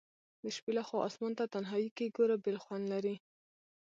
د شپي لخوا آسمان ته تنهائي کي ګوره بیل خوند لري